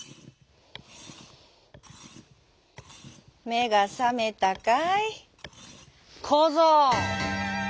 「めがさめたかいこぞう」。